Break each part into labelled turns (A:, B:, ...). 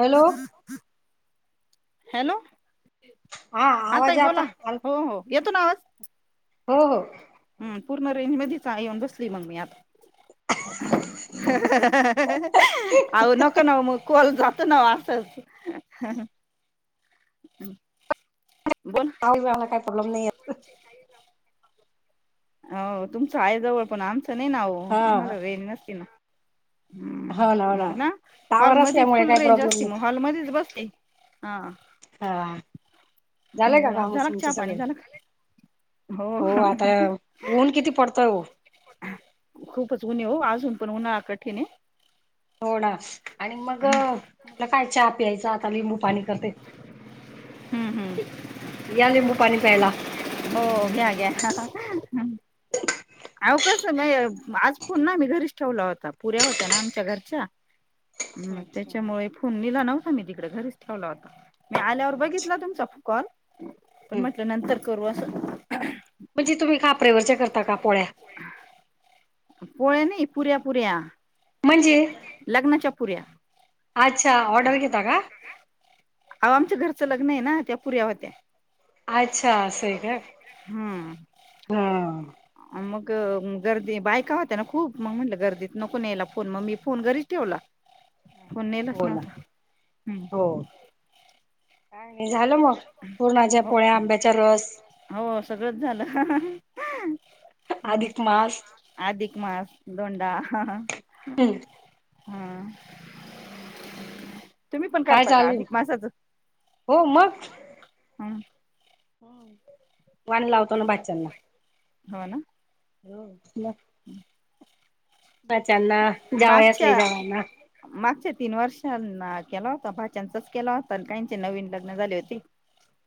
A: Hello
B: hello. हा ताई
A: आवाज आता
B: बोला हो हो. येतो ना आवाज?
A: हो हो
B: हम्म पूर्ण रेंज मध्येच येऊन बसली मग मी आता. [unintelligible] आ नक न म कल जा. जातो ना असच. हम्.
A: आला काही प्रॉब्लेम नाही.
B: हो तुमचं आईजवळ पण आमचं नाही नाव आम्हाला
A: हा
B: वे नसती ना. हम्म मग ना हॉल
A: टावर
B: मध्ये
A: असल्यामुळे
B: फुल
A: काही
B: रेंज
A: प्रॉब्लेम
B: असते मग
A: नाही
B: हॉल मध्येच बसते. हा
A: हा झालंय का
B: बर
A: काम
B: झाला
A: तुमचे
B: चहा पाणी
A: सगळे
B: झाला? हो.
A: ऊन किती पडतय वो.
B: खूपच ऊन आहे हो अजून पण उन्हाळा कठीण आहे.
A: थोडा आणि मग म्हटलं काय चहा प्यायचं आता लिंबू पाणी करते.
B: हम्म हम्म.
A: या लिंबू पाणी प्यायला
B: [unintelligible] हो घ्या घ्या. आव कस आज फोन ना घरीच ठेवला होता पोरी घरी होत्या ना आमच्या घरच्या हम
A: अच्छा
B: त्याच्यामुळे फोन नेला नव्हता मी तिकडे घरीच ठेवला होता. मी आल्यावर
A: अच्छा
B: बघितला तुमचा कॉल पण म्हटलं नंतर करू असं.
A: म्हणजे तुम्ही कापर्यावरच्या करता का पोळ्या?
B: पोळ्या नाही, पुऱ्या पुऱ्या.
A: म्हणजे
B: लग्नाच्या पुऱ्या
A: अच्छा ऑर्डर घेता का?
B: अव आमच्या घरचं लग्न आहे ना त्या पुऱ्या होत्या.
A: अच्छा असं आहे
B: हम्म
A: का?
B: मग गर्दी बायका होत्या ना खूप म म्हटलं गर्दीत नको न्यायला फोन मग मी फोन घरीच ठेवला. फोन नेलाच
A: हो ना
B: नव्हता हम्.
A: हो काय झालं मग पूर्णाच्या पोळ्या आंब्याचा रस
B: हो सगळंच झालं
A: अधिक मास
B: अधिक मास धोंडा
A: हम्म
B: [unintelligible] हा तुम्ही पण
A: काय
B: करता का
A: चालू
B: अधिक मासाच
A: हो मग
B: हं
A: हम्म वाणी लावतो ना बाचच्यानला
B: हो ना
A: हो
B: हम्म
A: भाच्यांना जावई असले तर जावाईना
B: मागच्या तीन वर्ष केला होता भाच्या्यांचाच केला होता आणि काहीचे नवीन लग्न झाले होती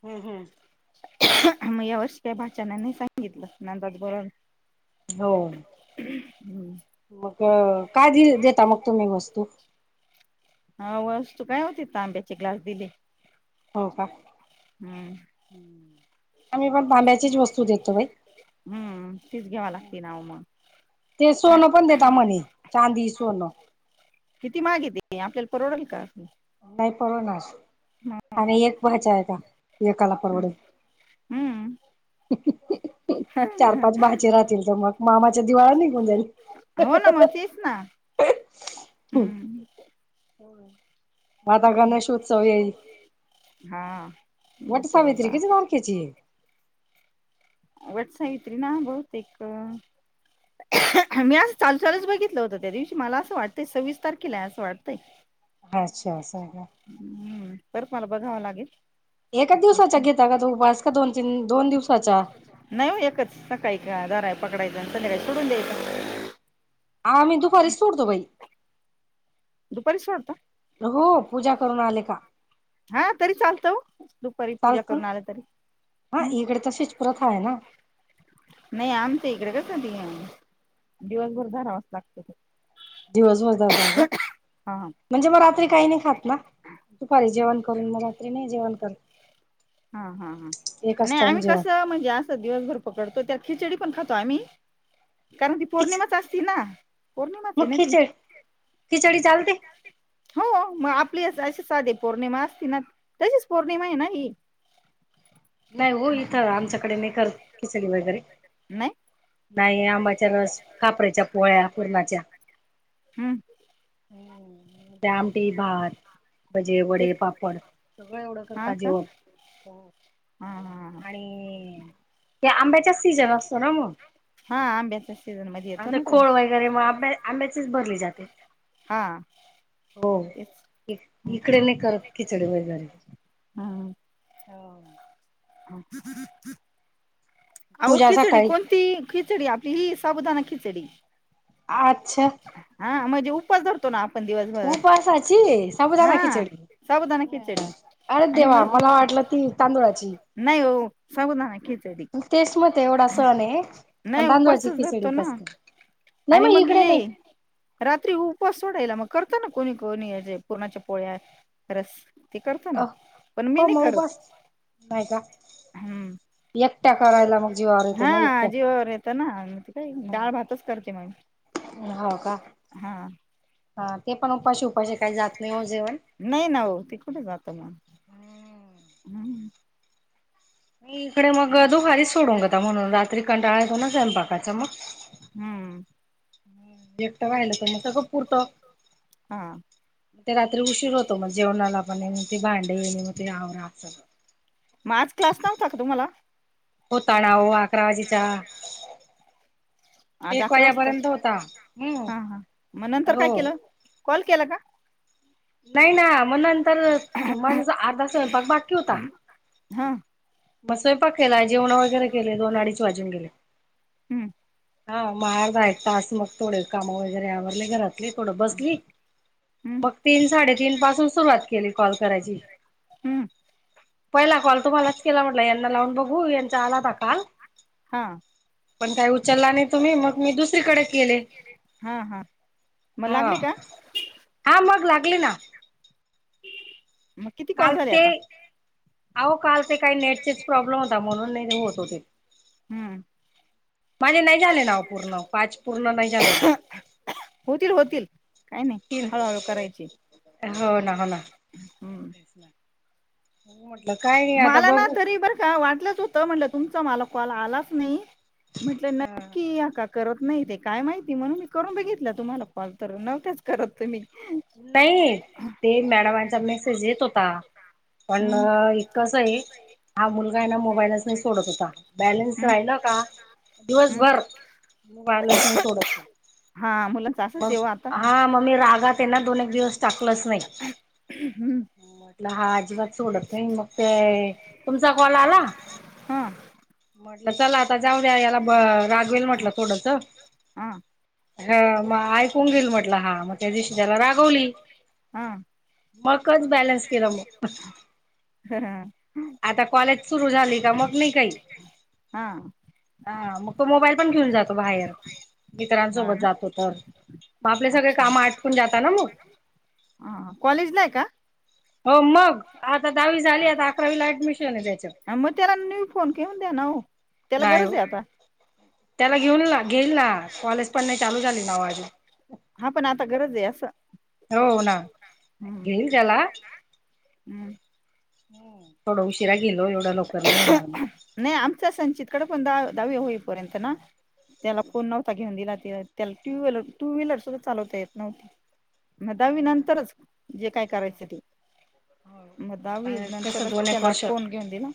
A: हम्म हम्म
B: मग या वर्षी काही भाचाना नाही सांगितलं नंदात बोलवल्या
A: हो
B: हम्म
A: मग काय दि देता मग तुम्ही वस्तू
B: ह वस्तू काय होती तंब्याचे ग्लास दिले
A: हो का
B: हम्म
A: आम्ही पण तांब्याचीच वस्तू देतो बाई
B: हम्म, तीच घ्यावा लागते नाव मग
A: ते सोनं पण देता म्हणे, चांदी, सोनं
B: किती महाग ते आपल्याला परवडल का?
A: नाही परवडणार आणि एक पहायचा आहे का एकाला परवडल
B: हम्म
A: चार, पाच भाचे राहतील तर मग मामाच दिवाळ निघून जाईल.
B: हो ना म, तेच ना
A: हम्म म, आता गणेशोत्सव येईल?
B: हा.
A: वट
B: बोलता बोलता
A: सावित्री कीती बारकेची
B: वटसावित्री ना, बहुतेक मी असं चालू चालूच बघितलं होतं, त्या दिवशी मला असं वाटतंय, सव्वीस तारखेला आहे असं वाटतंय.
A: अच्छा, असं हाय का?
B: हम्म परत मला बघावं लागेल
A: एकाच दिवसाचा घेता का तो उपास, का दोन तीन, दोन दिवसाचा
B: नाही हो एकचं, सकाळी का दरा पकडायचा, संध्याकाळी सोडून द्यायचा
A: आम्ही दुपारीच सोडतो बाई
B: दुपारी सोडता
A: हो, पूजा करून आले का
B: हा तरी चालतं वो, दुपारी पूजा
A: चालतं
B: करून आलं तरी
A: हा,
B: मग
A: इकडे तशीच प्रथा आहे ना?
B: नाही, आमच्याइकडं कसं ते, दिवसभर धरावाज लागतं
A: दिवसभर धरता का,
B: हा हा
A: म्हणजे मग रात्री काही नाही खात ना, दुपारी जेवण करून, मग रात्री नाही जेवण करत
B: हा, हा, हा,
A: एकच
B: नाही
A: टाइम
B: आम्ही
A: जेवण.
B: कसं, म्हणजे असं दिवसभर पकडतो त्या खिचडी पण खातो आम्ही. कारण ती
A: खिच
B: पौर्णिमाच असती ना. पौर्णिमाच आहे
A: मग
B: ना ती,
A: खिचडी
B: खिचडी चालते, हो मग आपली असे साधी पौर्णिमा असती ना, तशीच पौर्णिमा आहे ना ही
A: नाही, हो
B: हा,
A: इथं, आमच्याकडे नाही करत खिचडी वगैरे
B: नाय
A: नाही, आंबाच्या रस, कापऱ्याच्या पोळ्या पूरणाच्या
B: हम्म
A: ह्, दयाम मटी, भात, भजे,
B: ते
A: वडे, पापड सगळं एवढं
B: हा
A: करता
B: का
A: जेवण, हो
B: हा हा
A: आणि त्या आंब्याचा सीजन असतो ना म
B: हा आंब्याच्या सीझन मध्ये येतो
A: आता
B: ना तो
A: खोळ वगैरे मग आंब्या आंब्याचेच बरली जाते.
B: हा
A: हो,
B: तेच
A: इकडे नाही करत खिचडी वगैरे ह
B: हो किती [inaudible] अहो
A: पूजा
B: खिचडी
A: सकाळी
B: कोणती खिचडी, आपली ही साबुदाना खिचडी
A: आच्छा
B: ते उपास धरतो ना आपण दिवसभर,
A: उपासाची साबुदाणा
B: हा
A: खिचडी
B: साबुदाणा खिचडी
A: अरे
B: आणि
A: देवा,
B: मग
A: मला वाटलं ती तांदुळाची
B: नाही हो साबुदाणा खिचडी
A: तेच म्हणते एवढा सण आहे आणि
B: नाही
A: तांदूळाची
B: उपवासच
A: खिचडी
B: धरतो ना
A: कसं? [inaudible]
B: आणि मग ये रात्री उपवास सोडायला मग करता ना कोणी, कोणी पूर्णाच्या पोळ्या, रस ते करतो
A: अ,
B: ना पण मी
A: हो,
B: नाही
A: म
B: करत
A: उपास नाही का?
B: हम्म
A: एकट
B: हा जीवावर येत ना, त काय, डाळ भातच करते मग.
A: हो, का?
B: हा
A: हा ते पण उपाशी उपाशी काही जात नाही हो जेवण
B: नाही ना हो, ते कुठे जात मग हम्म.
A: इकडे मग दुपारीच सोडून घेता. म्हणून रात्री कंटाळा येतो ना, स्वयंपाकाचा मग!
B: हम्म
A: एकटं राहिलं तर, मग सगळं पुरत.
B: हा
A: ते रात्री उशीर होतो मग, जेवणाला पण ते भांडे मग ते आवरा असल
B: म आज क्लास नव्हता का तुम्हाला?
A: होता राव अकरा वाजेचा
B: आज
A: एक
B: अकरा वाजता.
A: वाजेपर्यंत होता हम्म
B: हा हा मग नंतर काय
A: हो
B: केलं? कॉल केला का?
A: नाही ना मग नंतर, माझ अर्धा स्वयंपाक बाकी होता.
B: हा.
A: म स्वयंपाक केला, जेवण वगैरे केले, दोन अडीच वाजून गेले.
B: हम्म
A: हा म अर्धा, एक, तास मग थोडे काम वगैरे आवरले घरातले थोडं बसली
B: हम्म
A: मग तीन, साडेतीन, पासून सुरुवात केली कॉल करायची.
B: हम्म
A: पहिला कॉल तुम्हालाच केला, म्हटलं यांना लावून बघू यांचा आलाता काल
B: हा
A: पण काय उचलला नाही तुम्ही, मग मी दुसरीकडे केले.
B: हा हा मग
A: हा,
B: लागले का
A: हा मग लागली ना.
B: मग किती कॉल झाले आता?
A: आहो काल ते काही नेटचेच प्रॉब्लेम होता. म्हणून नाही होत होते.
B: हम्म
A: माझे नाही झाले ना पूर्ण, पाच पूर्ण नाही झाले ना.
B: होतील होतील काय नाही
A: तीन
B: हळूहळू करायची.
A: हो ना, हो ना,
B: हम्म
A: काय नाही आता
B: मला ना
A: बघू
B: तरी बर का वाटलं? होत म्हटलं तुमचा मला कॉल आलाच नाही, म्हटलं
A: हा
B: नक्की करत नाही, ते काय माहिती म्हणून मी करून बघितलं तुम्हाला कॉल, तर नव्हच करत तुम्ही.
A: नाही, ते मॅडमांचा मेसेज येत होता. पण
B: हम्म
A: कस आहे, हा मुलगाना मोबाईलच नाही सोडत होता. बॅलन्स
B: हम्म
A: राहिला का?
B: हम्
A: दिवसभर मगबायरस नाही सोडत
B: हा मुलांच
A: [unintelligible]
B: असंच
A: बस,
B: येव आता
A: हा मग मी रागात ना दोन, एक, दिवस टाकलच नाही.
B: हम्
A: म्हंटलं हा अजिबात डत नाही मग ते, तुमचा कॉल आला.
B: हा
A: म्हटलं चला आता जाऊ द्या, याला ब रागवेल म्हटलं थोडंच.
B: हा
A: ह मग ऐकून घेईल म्हटलं हा, मग त्या दिवशी त्याला रागवली.
B: हा
A: मकच बॅलन्स केला मग
B: हा
A: आता कॉलेज सुरू झाली का, मग नाही काही.
B: हा.
A: हा मग तो मोबाईल पण घेऊन जातो बाहेर,
B: ना
A: मित्रांसोबत जातो तर. मग आपले सगळे
B: अच्छा
A: काम आटकून जातात ना मग.
B: हा कॉलेजला आहे का
A: हो मग आता दहावी झाली, आता अकरावी ला ऍडमिशन आहे. त्याच
B: ह मग त्याला न्यू फोन घेऊन द्या ना, हो त्याला
A: नाही
B: गरच
A: हो
B: आता.
A: त्याला घेऊन घेईल ना, कॉलेज पण नाही चालू झाली अजून.
B: हा पण आता गरज आहे असं.
A: हो ना
B: हम्म
A: घेईल त्याला.
B: हम्म.
A: थोडं उशिर
B: नाही आमच्या संचित कडे पण द दहावी होईपर्यंत ना, त्याला फोन नव्हता घेऊन दिला. त्याला टू व्हीलर, टू व्हीलर, सुद्धा चालवता येत नव्हते. मग दहावी नंतरच जे काय करायचं ते म
A: आता
B: दवीज
A: कसं
B: नंतरच
A: दोन एक
B: त्याला
A: वर्ष
B: फोन घेऊन दिला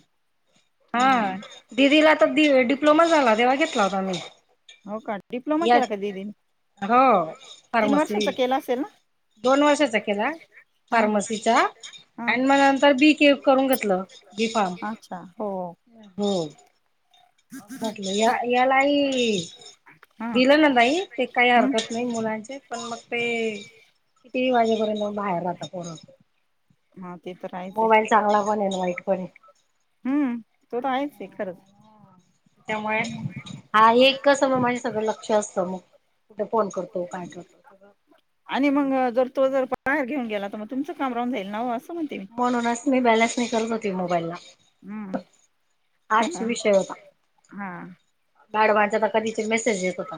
A: हा
B: हम्म
A: दिदीला तर डिप्लोमा झाला तेव्हा घेतला होता मी
B: हो का डिप्लोमा
A: या
B: केला का दिदीने
A: हो
B: तीन
A: फारमसी
B: वर्षाचा केला असेल ना
A: दोन वर्षाचा केला
B: हा
A: फार्मसीचा
B: हा
A: आणि म नंतर बी के करून घेतलं बी फारम
B: अच्छा हो
A: हो म्हटलं या यालाही
B: हा
A: दिलं ना नाहीई ते काही
B: हम्
A: हरकत नाही मुलांचे पण मग ते किती वाजेपर्यंत बाहेर राहतात
B: हा ते तर आहेच आहे
A: मोबाईल चांगला पण हे एन वाईट पण हे
B: हम्म तो तर आहेच ते खरंच
A: त्यामुळे
B: हम्म.
A: हा एक इतकासम माझे सगळं लक्ष असतं मग कुठे फोन करतो काय करतो सगळं
B: आणि मग जर तो जर बाहेर घेऊन गेला तर मग तुमचं काम राहून जाईल नाव
A: म्हणूनच मी बॅलन्स नही करत होती मोबाईला
B: हम्म हा
A: हाच
B: हा
A: विषय होता
B: हा
A: बाडवांचा कधीच मेसेज येत होता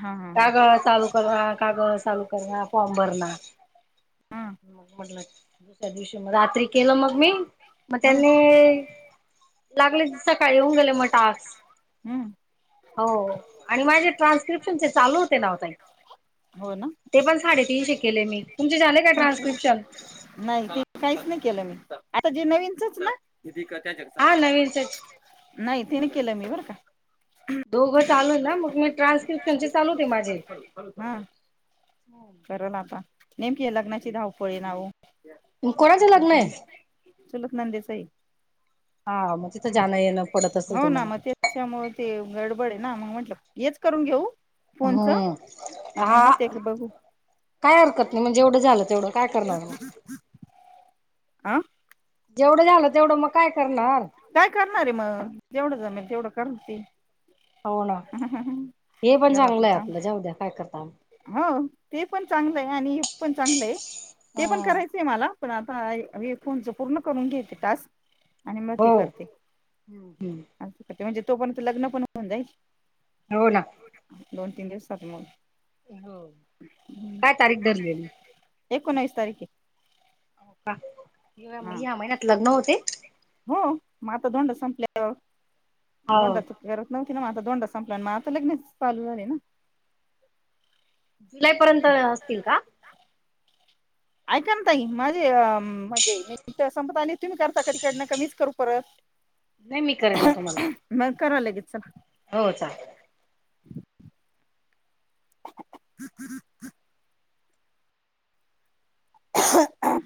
B: हा
A: काग चालू करना काग चालू करना फॉर्म भरणा
B: हा
A: म म्हटलं दुसऱ्या दिवशी रात्री केलं मग मी मग
B: हा
A: त्यांनी लागले सकाळी होऊन गेले मग टास
B: हम्म
A: हो आणि माझे ट्रान्स्क्रिप्शन चे चालू होते ना ओ ताई
B: हो ना
A: ते पण साडेतीनशे केले मी तुमचे झाले काय
B: छान
A: ट्रान्स्क्रिप्शन
B: म आ [inaudible] नवीनच ना [inaudible]
A: हा नवीनच
B: नाही तिने केलं मी बरं का
A: दोघं चालू ना मग मी ट्रान्स्क्रपशन
B: हा करल आता नेमकी लग्नाची धावपळी ना ओ
A: कोणाच लग्न हे
B: त्याच्यामुळे चुलत नन्देच हे
A: हा मग तिथं जाणं येणं पडत असेल
B: हो ना
A: तुम्हाला
B: मग त्याच्यामुळे ते गडबडे आहे ना मग म्हंटलं हेच करून घेऊ. फोनच
A: हम्म
B: आणि
A: हा.
B: मग ते बघू
A: काय हरकत नाही म्हणजे एवढं झालं तेवढं काय करणार म
B: आं
A: जेवढं झालं तेवढं मग काय करणार.
B: करणारे मग जवढं जमेल तेवढं करती
A: हो ना हे पण
B: घरातले
A: चांगलंय
B: काम
A: आपलं जाऊद्या काय करता
B: हो ते पण चांगलं आहे आणि हे पण चांगलं आहे ते पण करायचंय मला पण आता फोनच पूर्ण करून घेते टास्क. आणि मग ते करते
A: हम्म
B: करते म्हणजे तो पण लग्न पण होऊन जाईल.
A: हो ना
B: दोन तीन दिवसात मग
A: हो काय तारीख धरलेली.
B: एकोनावीस तारीख हे
A: हो का ह्या महिन्यात लग्न होते
B: हो मग आता धोंडा संपल्यावर
A: हो
B: धोंडा आपल्यावरच ना तिला म आता धोंडा संपला आणि म आता लग्नच चालू झाले ना.
A: जुलै पर्यंत असतील का.
B: आयकाना ताई माझे अ. ह म्हणजे मी तर संपत तुम्ही करता का तिकडनं का मीच करू परत
A: नाही मी करेन ना तुम्हाला
B: मग करा लगेच च
A: हो चालेल.
B: ह [inaudible] ह ह [inaudible]